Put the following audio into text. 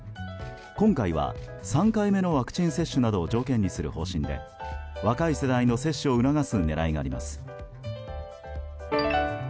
今回は３回目のワクチン接種などを条件にする方針で若い世代の接種を促す狙いがあります。